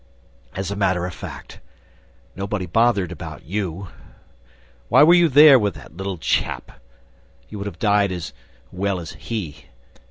As a matter of fact, nobody bothered about you. Why were you there with that little chap? You would have died as well as he!